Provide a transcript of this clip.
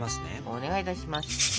お願いいたします。